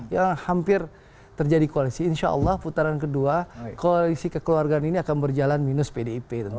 yang hampir terjadi koalisi insya allah putaran kedua koalisi kekeluargaan ini akan berjalan minus pdip tentunya